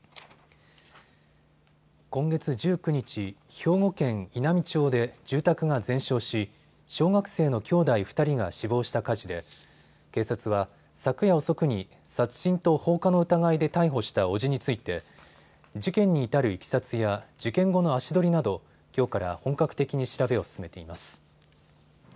今月１９日、兵庫県稲美町で住宅が全焼し小学生の兄弟２人が死亡した火事で警察は昨夜遅くに殺人と放火の疑いで逮捕した伯父について事件に至るいきさつや事件後の足取りなどきょうから本格的に調べを進めています。